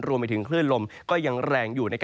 รวมไปถึงคลื่นลมก็ยังแรงอยู่